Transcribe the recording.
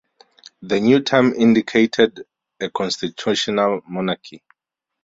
The new term indicated a constitutional monarchy.